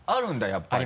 やっぱり。